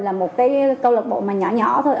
là một cái câu lạc bộ mà nhỏ nhỏ thôi